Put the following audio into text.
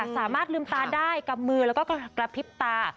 สามารถลืมตาได้กำมือแล้วก็กระพริบตา